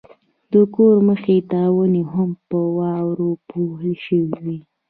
د کور مخې ته ونې هم په واورو پوښل شوې وې.